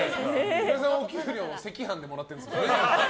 岩井さん、お給料を赤飯でもらってるんですもんね。